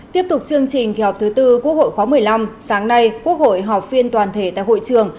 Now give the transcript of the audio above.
tiếp tục chương trình kỳ họp thứ tư quốc hội khóa một mươi năm sáng nay quốc hội họp phiên toàn thể tại hội trường